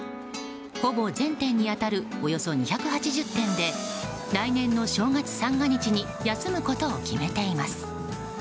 ほぼ全店に当たるおよそ２８０店で来年の正月三が日に休むことを決めています。